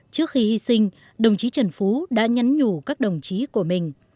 trước khi hy sinh đồng chí trần phú đã nhắn nhủ các đồng chí của mình